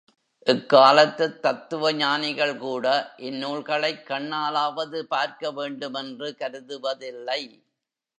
இக் காலத்துத் தத்துவ ஞானிகள் கூட இந் நூல்களைக் கண்ணாலாவது பார்க்க வேண்டுமென்று கருதுவதில்லை.